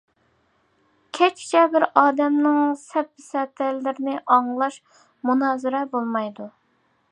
كەچكىچە بىر ئادەمنىڭ سەپسەتىلىرىنى ئاڭلاش مۇنازىرە بولمايدۇ.